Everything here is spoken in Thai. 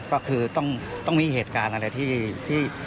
ก็คือต้องมีเหตุการณ์อะไรที่